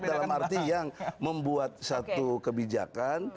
dalam arti yang membuat satu kebijakan